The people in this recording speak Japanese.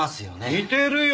似てるよ。